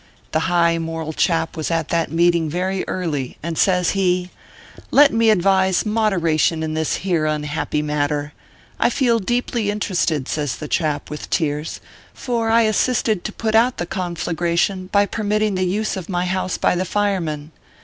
The high ORPHEUS C. KERR PAPERS. 317 moral chap was at that meeting very early, and says he :" Let me advise moderation in this here unhappy matter. I feel deeply interested," says the chap, with tears ;" for I assisted to put out the conflagration by permitting the use of my house by the firemen.